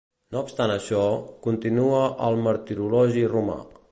No obstant això, continua al Martirologi Romà.